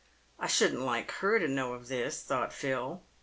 " I shouldn't like her to know of this," thought Phil.